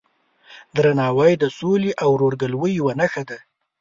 درناوی د سولې او ورورګلوۍ یوه نښه ده.